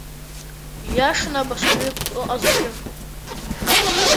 Ииашаны абасҟаҩык ыҟазҭгьы.